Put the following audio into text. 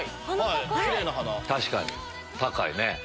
確かに高いね。